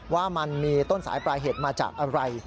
ว่ามันมีต้นสายปลายเหตุมาจากอะไร